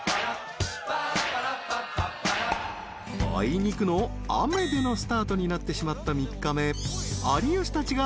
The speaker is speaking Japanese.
［あいにくの雨でのスタートになってしまった３日目］